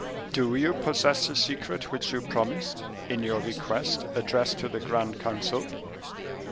do you possess the secret which you promised, in your request, addressed to the grand council?"